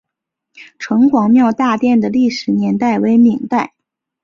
城隍庙大殿的历史年代为明代。